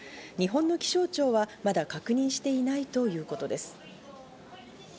日本の気象庁はまだ確認していないということです。